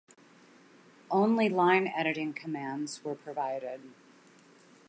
Only line editing commands were provided.